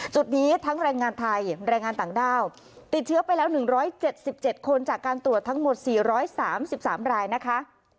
จุดนี้ทั้งแรงงานไทยแรงงานต่างด้าวติดเชื้อไปแล้ว๑๗๗คนจากการตรวจทั้งหมด๔๓๓รายนะคะ